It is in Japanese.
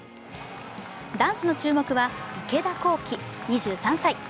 男子の注目は、池田向希２３歳。